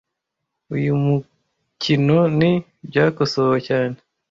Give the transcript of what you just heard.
Uyu mukinoni Byakosowe cyane